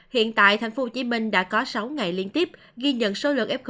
hiện tại tp hcm đã có sáu ngày liên tiếp ghi nhận số lượng f một